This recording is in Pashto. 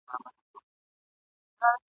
واوری دا د زړه په غوږ، پیغام د پېړۍ څه وايي ..